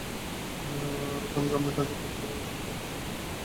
রোটাং গ্রামের কাছে বাঁক ঘোরার সময় বাসের চালক নিয়ন্ত্রণ হারিয়ে ফেলেন।